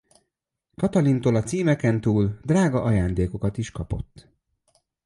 Katalintól a címeken túl drága ajándékokat is kapott.